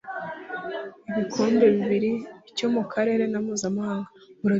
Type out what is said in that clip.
ibikombe bibiri icyo mu karere na mpuzamahanga